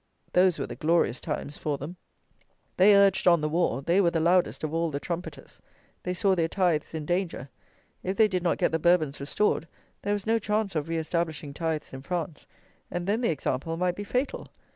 Those were the glorious times for them. They urged on the war: they were the loudest of all the trumpeters. They saw their tithes in danger. If they did not get the Bourbons restored, there was no chance of re establishing tithes in France; and then the example might be fatal.